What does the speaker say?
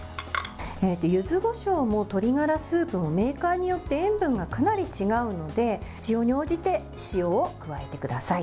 柚子こしょうも鶏がらスープもメーカーによって塩分がかなり違うので必要に応じて塩を加えてください。